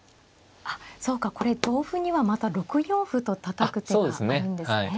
あっそうかこれ同歩にはまた６四歩とたたく手があるんですね。